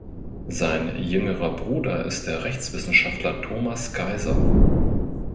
Sein jüngerer Bruder ist der Rechtswissenschaftler Thomas Geiser.